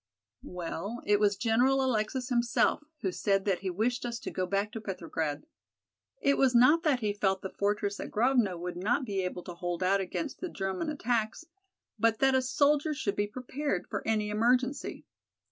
"Well, it was General Alexis himself who said that he wished us to go back to Petrograd. It was not that he felt the fortress at Grovno would not be able to hold out against the German attacks, but that a soldier should be prepared for any emergency.